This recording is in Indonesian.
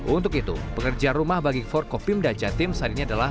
untuk itu pekerja rumah bagi forkopim darjatim saat ini adalah